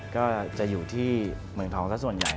ก็จะอยู่ที่เมืองทองสักส่วนใหญ่